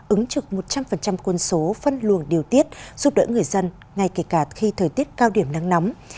ứng trực một trăm linh quân số phân luồng điều tiết giúp đỡ người dân ngay kể cả khi thời tiết cao điểm nắng nóng